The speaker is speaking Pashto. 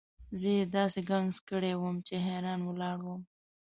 زه یې داسې ګنګس کړی وم چې حیران ولاړ وم.